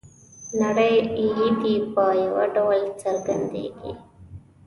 نړۍ لید یې په یوه ډول څرګندیږي.